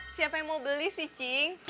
siapa yang mau beli sih cing